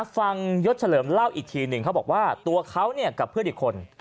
ยศเฉลิมเล่าอีกทีหนึ่งเขาบอกว่าตัวเขากับเพื่อนอีกคน